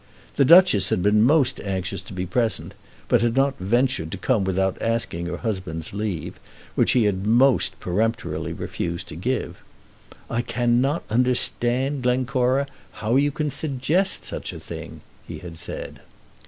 The Duchess had been most anxious to be present, but had not ventured to come without asking her husband's leave, which he had most peremptorily refused to give. "I cannot understand, Glencora, how you can suggest such a thing," he had said.